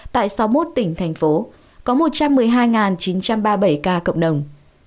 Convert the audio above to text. tại sáu mươi một tỉnh thành phố có một trăm một mươi hai chín trăm ba mươi bảy ca cộng đồng